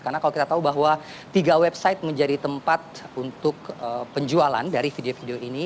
karena kalau kita tahu bahwa tiga website menjadi tempat untuk penjualan dari video video ini